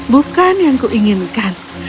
bukan yang kau inginkan